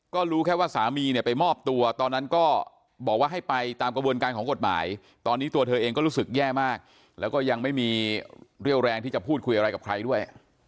ก็รู้แค่ว่าสามีเนี่ยไปมอบตัวตอนนั้นก็บอกว่าให้ไปตามกระบวนการของกฎหมายตอนนี้ตัวเธอเองก็รู้สึกแย่มากแล้วก็ยังไม่มีเรี่ยวแรงที่จะพูดคุยอะไรกับใครด้วย